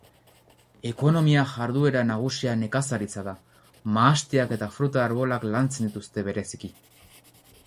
Ekonomia-jarduera nagusia nekazaritza da: mahastiak eta fruta-arbolak lantzen dituzte bereziki.